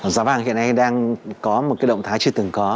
giá vàng hiện nay đang có một cái động thái chưa từng có